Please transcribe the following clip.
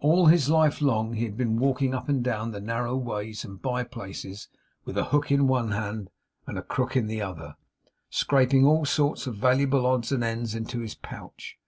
All his life long he had been walking up and down the narrow ways and by places, with a hook in one hand and a crook in the other, scraping all sorts of valuable odds and ends into his pouch.